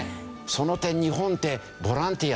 その点日本ってボランティア